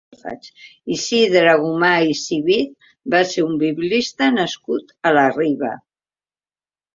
Isidre Gomà i Civit va ser un biblista nascut a la Riba.